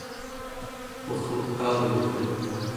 mermek auluku